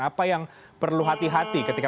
apa yang perlu hati hati ketika